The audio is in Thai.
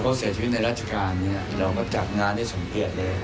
เขาเสียชีวิตในราชการเนี่ยเราก็จัดงานได้สมเกียจเลย